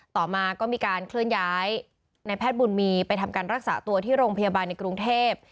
ต่อมาก็มีการเคลื่อนย้ายในแพทย์บุญมีไปทำการรักษาตัวที่โรงพยาบาลในกรุงเทพ